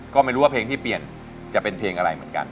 ก็ไม่รู้ว่าเพลงที่เปลี่ยนจะเป็นเพลงอะไรเหมือนกัน